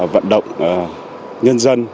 vận động nhân dân